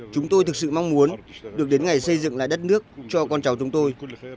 chúng tôi thực sự mong muốn được đến ngày xây dựng lại đất nước cho con cháu chúng tôi